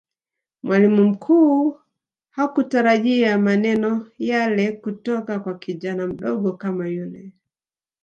mwalimu mkuu hakutarajia maneno yale kutoka kwa kijana mdogo kama yule